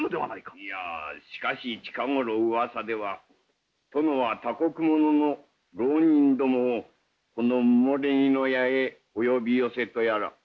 いやしかし近頃うわさでは殿は他国者の浪人どもをこの埋木舎へお呼び寄せとやら。